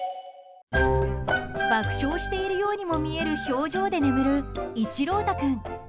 爆笑しているようにも見える表情で眠る、いちろうた君。